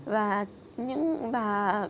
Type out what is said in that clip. và những bà